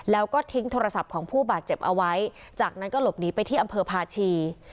แล้วก็ทิ้งโทรศัพท์ของผู้บาดเจ็บเอาไว้จากนั้นก็หลบหนีไปที่อำเภอพาชี